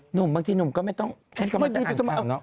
หนุ่มบางทีหนุ่มก็ไม่ต้องฉันก็ไม่ได้อ่านคำเนอะ